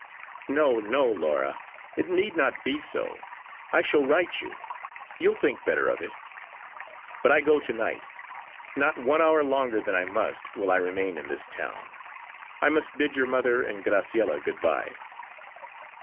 "No, no, Laura, it need not be so! I shall write you. You'll think better of it. But I go to night not one hour longer than I must, will I remain in this town. I must bid your mother and Graciella good bye."